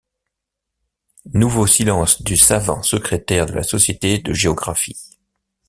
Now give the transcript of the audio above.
Nouveau silence du savant secrétaire de la Société de Géographie.